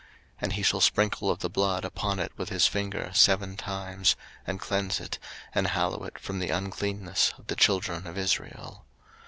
03:016:019 And he shall sprinkle of the blood upon it with his finger seven times, and cleanse it, and hallow it from the uncleanness of the children of Israel.